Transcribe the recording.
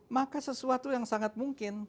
maka sesuatu yang sangat mungkin